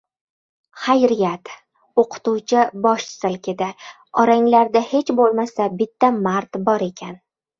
— Xayriyat! — o‘qituvchi bosh silkidi. — Oranglarda hech bo‘lmasa bitta mard bor ekan.